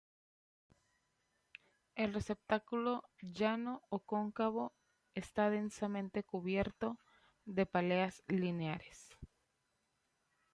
El receptáculo, llano o cóncavo, está densamente cubierto de páleas lineares.